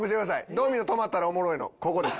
ドミノ止まったらおもろいのここです。